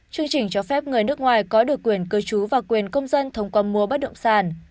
chương trình cho phép người nước ngoài có được quyền cư trú và quyền công dân thông qua mua bất động sản